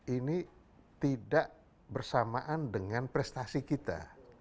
ini tidak bersamaan dengan prestasi kita